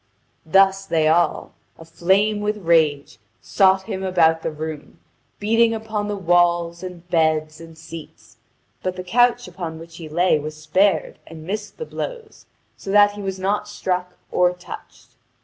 Thus they all, aflame with rage, sought him about the room, beating upon the walls, and beds, and seats. But the couch upon which he lay was spared and missed the blows, so that he was not struck or touched.